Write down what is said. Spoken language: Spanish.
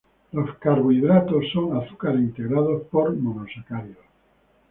Los carbohidratos son azúcares integrados por monosacáridos.